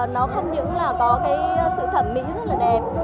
nó không những là có cái sự thẩm mỹ rất là đẹp